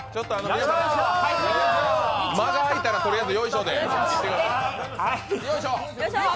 皆さん、間が空いたらとりあえず、よいしょで。